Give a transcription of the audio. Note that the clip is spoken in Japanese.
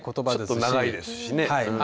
ちょっと長いですしね。